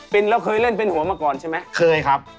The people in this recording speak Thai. เป็นแล้วเคยเล่นเป็นหัวมาก่อนใช่ไหมเคยครับ